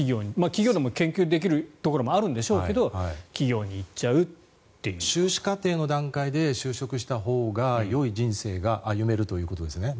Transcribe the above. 企業でも研究できるところもあるんでしょうけど修士課程の段階で就職したほうが、よい人生が歩めるということですよね。